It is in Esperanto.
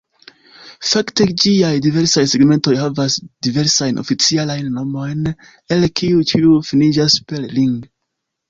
Fakte ĝiaj diversaj segmentoj havas diversajn oficialajn nomojn, el kiuj ĉiuj finiĝas per "-ring".